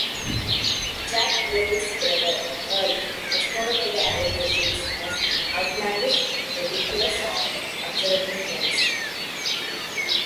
Jack Ruby's brother, Earl, responded to the allegations as "outlandish", "ridiculous", and "absolutely false".